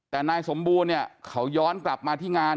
แต่นายสมบูรณ์เนี่ยเขาย้อนกลับมาที่งาน